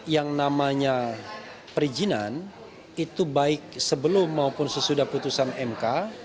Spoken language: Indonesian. yang namanya perizinan itu baik sebelum maupun sesudah putusan mk